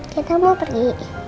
kita mau pergi